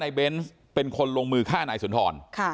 เบนส์เป็นคนลงมือฆ่านายสุนทร